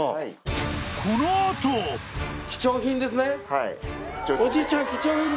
はい。